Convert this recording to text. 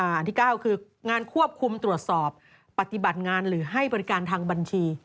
อันที่๙คืองานควบคุมตรวจสอบปฏิบัติงานหรือให้บริการทางบัญชี